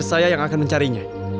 saya yang akan mencarinya